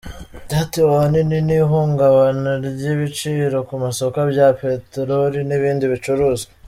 Ryatewe ahanini n’ihungabana ry’ibiciro ku masoko bya peteroli n’ibindi bicuruzwa.